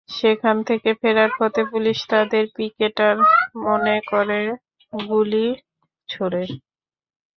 সেখান থেকে ফেরার পথে পুলিশ তাঁদের পিকেটার মনে করে গুলি ছোড়ে।